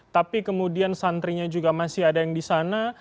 tapi kemudian santrinya juga masih ada yang di sana